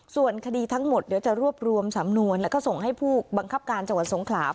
ส่วนคดีทั้งหมดเดี๋ยวจะรวบรวมสำนวนแล้วก็ส่งให้ผู้บังคับการจังหวัดสงขลา